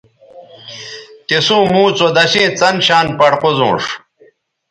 تِسوں موں څودشیئں څن شان پڑ قوزونݜ